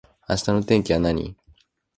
明日の天気は何